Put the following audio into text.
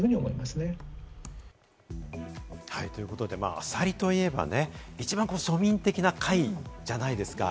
アサリといえばね、一番庶民的な貝じゃないですか。